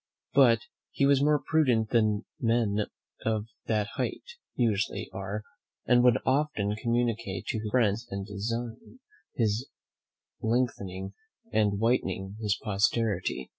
But he was more prudent than men of that height usually are, and would often communicate to his friends his design of lengthening and whitening his posterity.